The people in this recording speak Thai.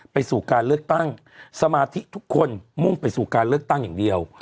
ไปสู่การเลือกตั้งสมาธิทุกคนมุ่งไปสู่การเลือกตั้งอย่างเดียว